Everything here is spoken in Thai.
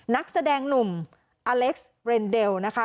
นักแสดงหนุ่มอเล็กซ์เรนเดลนะคะ